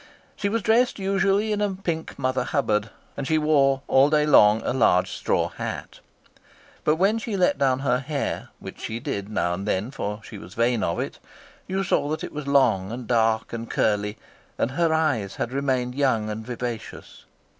She was dressed usually in a pink Mother Hubbard, and she wore all day long a large straw hat. But when she let down her hair, which she did now and then, for she was vain of it, you saw that it was long and dark and curly; and her eyes had remained young and vivacious.